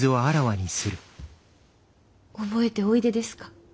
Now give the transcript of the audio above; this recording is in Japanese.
覚えておいでですか？